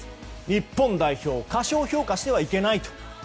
日本代表を過小評価してはいけないと。